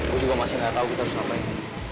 gue juga masih gak tau kita harus ngapain